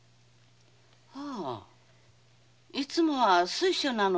ああいつもは水晶なのに。